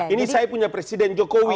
ini saya punya presiden jokowi